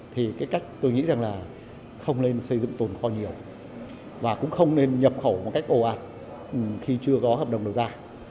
thì cái cách tôi nghĩ rằng là không nên xây dựng tồn kho nhiều và cũng không nên nhập khẩu một cách ồ ạt khi chưa có hợp đồng đầu ra